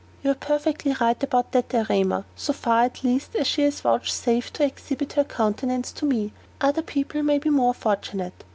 "You are perfectly right about that, Erema; so far at least as she has vouchsafed to exhibit her countenance to me. Other people may be more fortunate.